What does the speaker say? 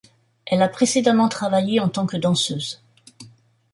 Elle a précédemment travaillé en tant que danseuse.